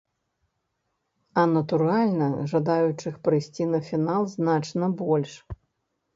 А, натуральна, жадаючых прыйсці на фінал значна больш.